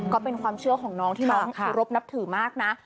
ก็เป็นความเชื่อของน้องที่น้องเคารพนับถือมากนะ